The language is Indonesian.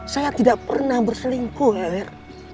saya tidak pernah berselingkuh